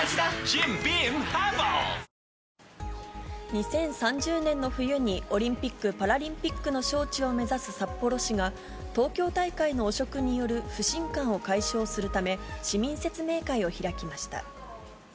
２０３０年の冬に、オリンピック・パラリンピックの招致を目指す札幌市が、東京大会の汚職による不信感を解消するため、市民説明会を開きました。